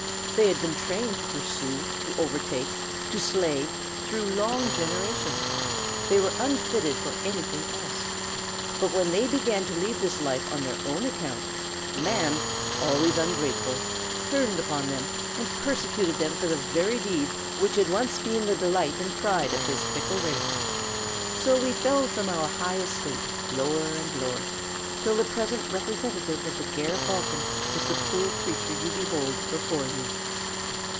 They had been trained to pursue, to overtake, to slay, through long generations; they were unfitted for anything else. But when they began to lead this life on their own account, man, always ungrateful, turned upon them, and persecuted them for the very deeds which had once been the delight and pride of his fickle race. So we fell from our high estate, lower and lower, till the present representative of the Ger Falcon is the poor creature you behold before you."